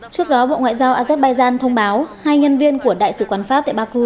trước đó bộ ngoại giao azerbaijan thông báo hai nhân viên của đại sứ quán pháp tại baku